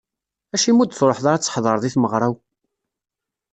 Acimi ur d-truḥeḍ ara ad tḥedreḍ i tmeɣra-w?